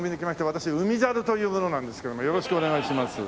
私海猿という者なんですけどもよろしくお願いします。